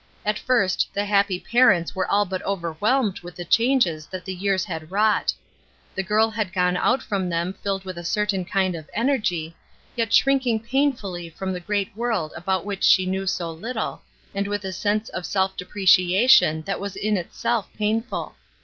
At first the happy parents were all but overwhelmed with the changes that the years had wrought. The girl had gone out from them filled with a cer tain kind of energy, yet shrinking painfully from the great world about which she knew so httle, and with a sense of self depreciation that was in itself painful.